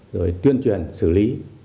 rồi tuyên truyền xử lý